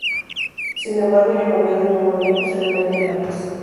Sin embargo, ella murió de neumonía posteriormente en París.